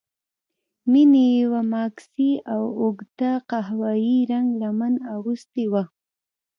مينې يوه ماکسي او اوږده قهويي رنګه لمن اغوستې وه.